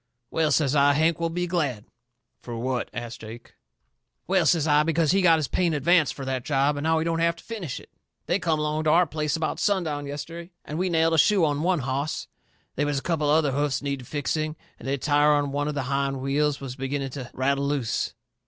"Well," says I, "Hank will be glad." "Fur what?" asts Jake. "Well," says I, "because he got his pay in advance fur that job and now he don't have to finish it. They come along to our place about sundown yesterday, and we nailed a shoe on one hoss. They was a couple of other hoofs needed fixing, and the tire on one of the hind wheels was beginning to rattle loose."